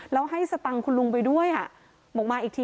แล้วให้สะตังคุณลุงไปด้วยบอกมาอีกทีก็นั่งรถตู้มาเลยนะ